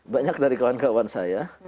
banyak dari kawan kawan saya